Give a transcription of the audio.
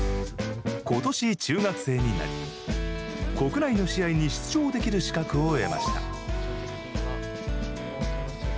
今年、中学生になり国内の試合に出場できる資格を得ました。